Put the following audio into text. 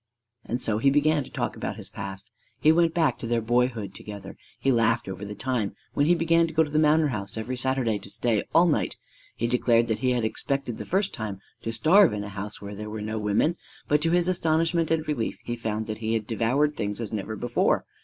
And so he began to talk about this past. He went back to their boyhood together. He laughed over the time when he began to go to the manor house every Saturday to stay all night. He declared that he had expected the first time to starve in a house where there were no women; but to his astonishment and relief he had found that he had devoured things as never before.